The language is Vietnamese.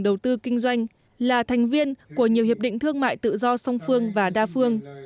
đầu tư kinh doanh là thành viên của nhiều hiệp định thương mại tự do song phương và đa phương